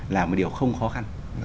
là một điều không khó khăn